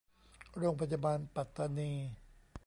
โรงพยาบาลปัตตานี